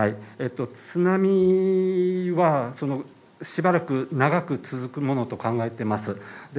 津波はしばらく長く続くものと考えています。